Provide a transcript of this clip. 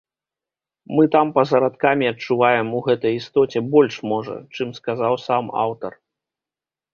Мы там па-за радкамі адчуваем у гэтай істоце больш можа, чым сказаў сам аўтар.